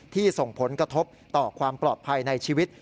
ส่งผลกระทบต่อความปลอดภัยในชีวิต